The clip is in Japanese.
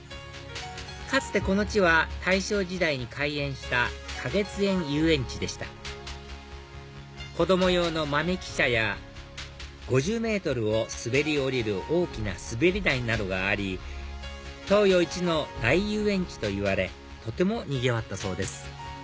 かつてこの地は大正時代に開園した花月園遊園地でした子供用の豆汽車や５０ｍを滑り降りる大きな滑り台などがあり東洋イチの大遊園地といわれとてもにぎわったそうです